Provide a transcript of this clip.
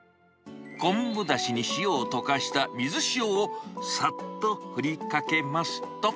昆布だしに塩を溶かした水塩をさっと振りかけますと。